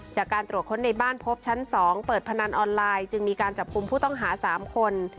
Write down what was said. จากการตรวจค้นในบ้านพบชั้น๒เปิดพนันออนไลน์จึงมีการจับกลุ่มผู้ต้องหา๓คน